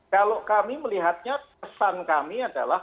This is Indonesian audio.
kalau kami melihatnya kesan kami adalah